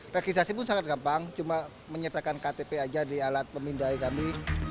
registrasi pun sangat gampang cuma menyertakan ktp aja di alat pemindai kami